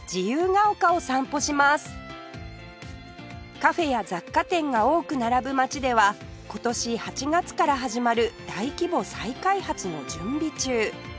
カフェや雑貨店が多く並ぶ街では今年８月から始まる大規模再開発の準備中